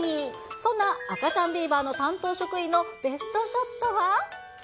そんな赤ちゃんビーバーの担当職員のベストショットは。